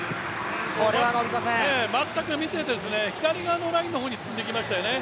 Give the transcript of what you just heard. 左側のラインの方に進んでいきましたよね。